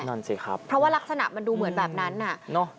นั่นสิครับเพราะว่ารักษณะมันดูเหมือนแบบนั้นน่ะเนอะ